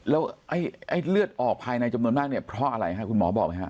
แล้วเลือดออกภายในจำนวนมากเพราะอะไรค่ะคุณหมอบอกไหมคะ